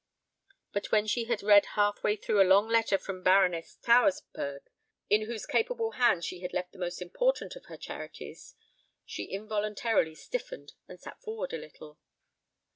But when she had read halfway through a long letter from Baroness Tauersperg, in whose capable hands she had left the most important of her charities, she involuntarily stiffened and sat forward a little.